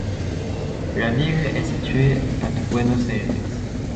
La ville est située à de Buenos Aires.